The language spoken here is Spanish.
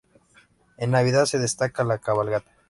En Navidad se destaca la cabalgata.